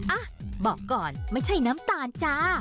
อ่ะบอกก่อนไม่ใช่น้ำตาลจ้า